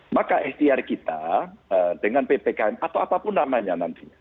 maka sdr kita dengan ppkm atau apapun namanya nantinya